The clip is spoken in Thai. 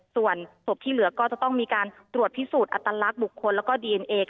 ส่วนศพที่เหลือก็จะต้องมีการตรวจพิสูจน์อัตลักษณ์บุคคลแล้วก็ดีเอ็นเอ